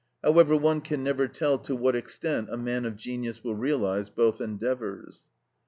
However, one can never tell to what extent a man of genius will realise both endeavours.